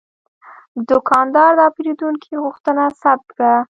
دا دوکاندار د پیرودونکي غوښتنه ثبت کړه.